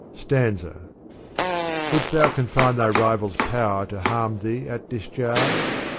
'' Sfanza. Wouldst thou confine thy rival's power to harm Thee at discharge?